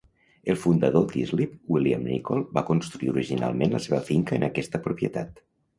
El fundador d'Islip, William Nicoll, va construir originalment la seva finca en aquesta propietat.